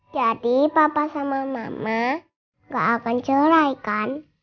jadi papa sama mama gak akan cerai kan